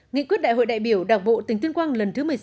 nghị quyết đại hội đại biểu đảng bộ tỉnh tuyên quang lần thứ một mươi sáu